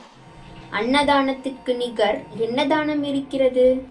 அன்னதானத்துக்கு நிகர் என்ன தானம் இருக்கிறது?